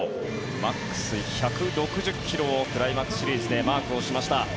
マックス１６０ｋｍをクライマックスシリーズでマークしました。